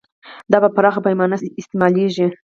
دا په پراخه پیمانه استعمالیږي.